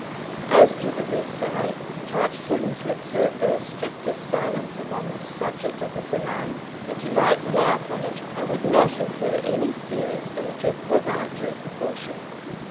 As to the rest, I charged him to observe the strictest silence upon the subject of his alarm, and he might rely upon it I would not incur any serious danger without due precaution.